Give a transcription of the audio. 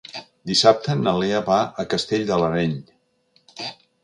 Dissabte na Lea va a Castell de l'Areny.